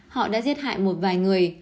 họ đã giết hại một vài người